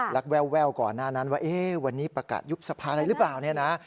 แววก่อนหน้านั้นว่าวันนี้ประกาศยุบสภาอะไรหรือเปล่าเนี่ยนะ